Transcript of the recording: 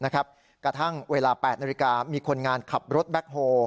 กระทั่งเวลา๘นาฬิกามีคนงานขับรถแบ็คโฮ